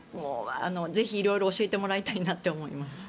ぜひ色々教えてもらいたいなと思います。